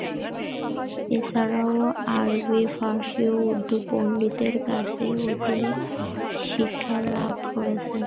এছাড়াও আরবি, ফার্সি ও উর্দু পন্ডিতদের কাছেও তিনি শিক্ষালাভ করেছেন।